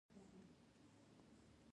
آیا دا ژباړه به زموږ ستونزې حل کړي؟